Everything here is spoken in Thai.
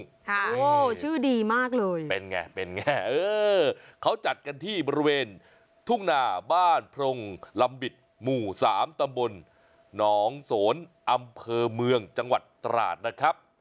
โอ้โหชื่อดีมากเลยเป็นไงเป็นไงเออเขาจัดกันที่บริเวณทุ่งนาบ้านพรงลำบิดหมู่สามตำบลหนองโสนอำเภอเมืองจังหวัดตราดนะครับ